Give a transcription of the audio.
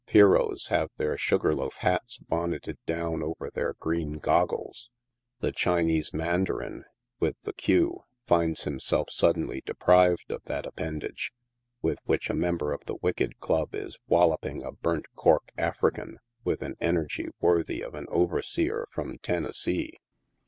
Pierrots have their sugar loaf hats bonnetted down over their green goggles. The Chinese mandarin, with the queue, finds himself suddenly deprived of that appendage, with which a member of the Wicked Club is walloping a burnt cork African with an energy worthy of an overseer from Tennessee.